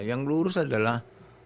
yang lurus adalah